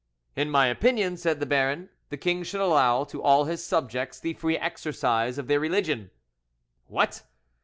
"In my opinion," said the baron, "the king should allow to all his subjects the free exercise of their religion." "What!